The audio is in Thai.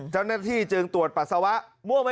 เจ้าหน้าที่จึงตรวจปัสสาวะ